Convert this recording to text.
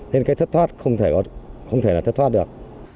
nên cái thất thoát không thể là thất thoát được